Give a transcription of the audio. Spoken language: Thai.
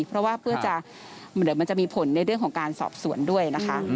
เพราะว่ามันจะมีผลในเรื่องของการสอบส่วนด้วยค่ะ